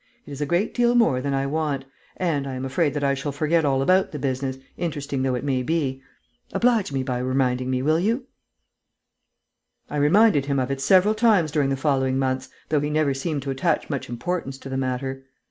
It is a great deal more than I want; and I am afraid that I shall forget all about the business, interesting though it may be. Oblige me by reminding me, will you?" I reminded him of it several times during the following months, though he never seemed to attach much importance to the matter.